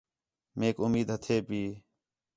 میک اُمید ہتھے پئی